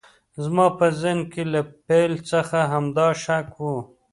زما په ذهن کې له پیل څخه همدا شک و